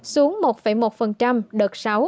xuống một một đợt sáu